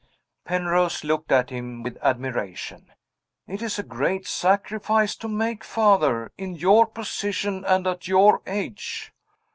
Penrose looked at him with admiration. "It is a great sacrifice to make, Father, in your position and at your age."